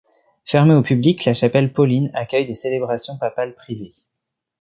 Fermée au public, la chapelle Pauline accueille des célébrations papales privées.